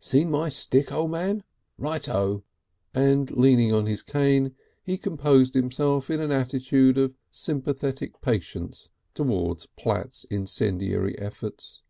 Seen my stick, O' Man? Right O." And leaning on his cane he composed himself in an attitude of sympathetic patience towards Platt's incendiary efforts.